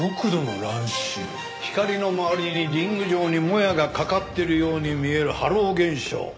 光の周りにリング状にもやがかかってるように見えるハロー現象。